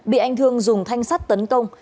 bị anh thương dùng thanh sắt tấn công